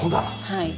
はい。